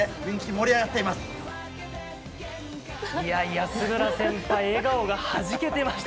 安村先輩笑顔がはじけてました。